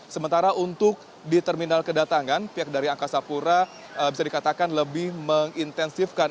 sementara untuk di terminal kedatangan pihak dari angkasa pura bisa dikatakan lebih mengintensifkan